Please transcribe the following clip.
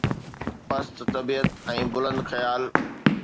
پست طبيعت ۽ بلند خيال